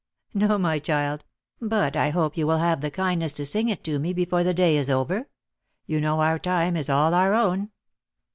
"No, my child; but I hope you will have the kindness to sing it to me before the day is over. You know our time is all our own."